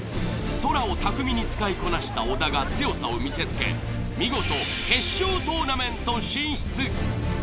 ソラを巧みに使いこなした小田が強さを見せつけ見事決勝トーナメント進出。